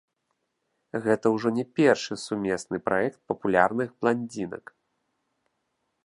Гэта ўжо не першы сумесны праект папулярных бландзінак.